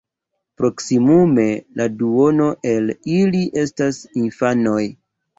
Proksimume la duono el ili estas infanoj.